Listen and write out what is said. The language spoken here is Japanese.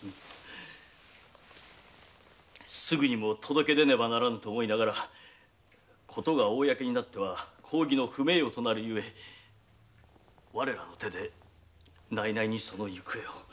すぐにも届け出ねばならぬと思いながら事が公になっては公儀の不名誉となるゆえ我らの手で内々にその行方を。